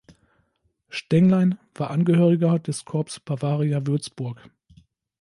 Stenglein war Angehöriger des Corps Bavaria Würzburg.